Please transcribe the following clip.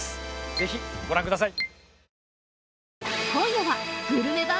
ぜひご覧ください